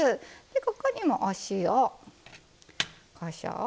ここにも、お塩とこしょう。